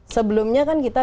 sebelumnya kan kita